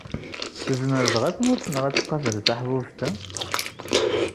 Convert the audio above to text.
Tezmer dɣa ad tqabel tmurt-nneɣ taḥbubt-a?